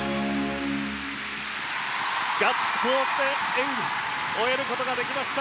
ガッツポーズで演技を終える事ができました。